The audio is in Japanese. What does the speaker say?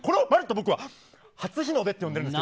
僕はこれを初日の出と呼んでるんです。